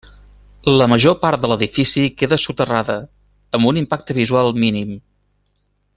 La major part de l'edifici queda soterrada, amb un impacte visual mínim.